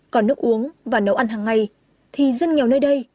còn nước uống và nấu ăn hàng ngày thì dân nghèo nơi đây